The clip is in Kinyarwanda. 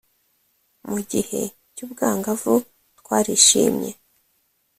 mu gihe cy’ubwangavu twarishimye,